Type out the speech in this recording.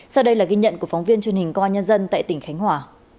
sau đây là ghi nhận của phóng viên truyền hình công an nhân dân tại tỉnh khánh hòa